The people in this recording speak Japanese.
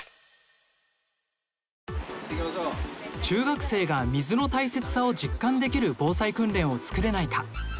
中学生が水の大切さを実感できる防災訓練を作れないか。